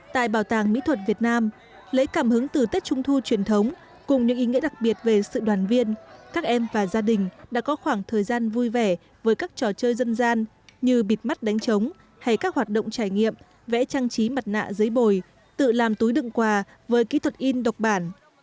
tại bảo tàng mỹ thuật việt nam lấy cảm hứng từ tết trung thu truyền thống cùng những ý nghĩa đặc biệt về sự đoàn viên các em và gia đình đã có khoảng thời gian vui vẻ với các trò chơi dân gian như bịt mắt đánh trống hay các hoạt động trải nghiệm vẽ trang trí mặt nạ giấy bồi tự làm túi đựng quà với kỹ thuật in độc bản